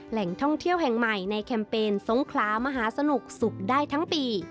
แหล่งท่องเที่ยวแห่งใหม่ในแคมเปญสงขลามหาสนุกสุขได้ทั้งปี